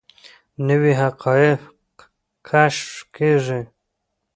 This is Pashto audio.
نوي حقایق کشف کیږي.